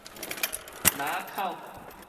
林仔口